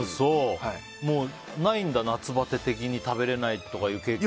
ないんだ、夏バテ的に食べられないとかいう経験が。